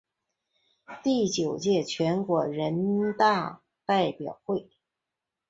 第九届全国人大代表。